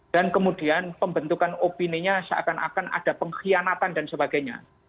dan kemudian pembentukan opini nya seakan akan ada pengkhianatan dan sebagainya